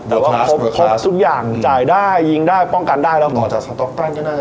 แต่ว่าพบพบทุกอย่างจ่ายได้ยิงได้ป้องกันได้แล้วต่อจากก็น่าจะเจสันคิดน่ะ